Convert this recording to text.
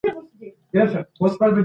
طلاق په ځینو هېوادونو کې ډېر دی.